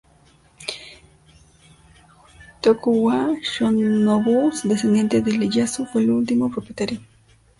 Tokugawa Yoshinobu, descendiente de Ieyasu, fue el último propietario.